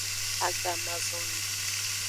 Agamazonli.